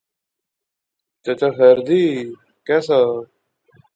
چچا خیر دی، کہہ سا؟